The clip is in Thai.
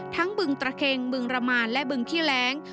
บึงตระเข็งบึงระมานและบึงขี้แร้ง